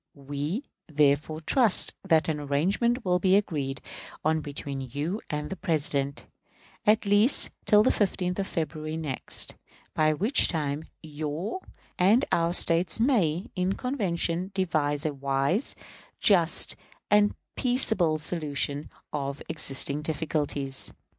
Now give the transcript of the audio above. We, therefore, trust that an arrangement will be agreed on between you and the President, at least till the 15th of February next; by which time your and our States may, in convention, devise a wise, just, and peaceable solution of existing difficulties.